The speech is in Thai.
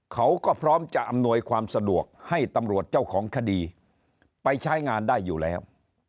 เขาก็พร้อมจะอำนวยความสะดวกให้ตำรวจเจ้าของคดีไปใช้งานได้อยู่แล้ว